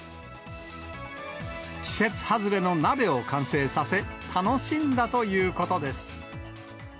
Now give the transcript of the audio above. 季節外れの鍋を完成させ、楽しんだということです。